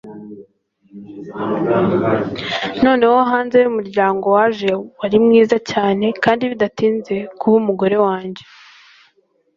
noneho hanze yumuryango waje, wari mwiza cyane kandi bidatinze kuba umugore wanjye